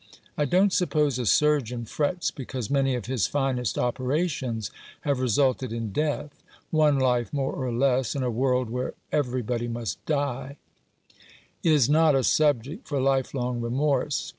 I don't suppose a surgeon frets because many of his finest operations have resulted in death — one life more or less, in a world where everybody must die "" Is not a subject for life long remorse.